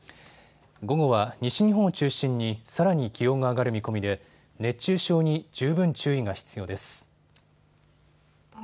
午後は西日本を中心にさらに気温が上がる見込みで熱中症に十分注意が必要です。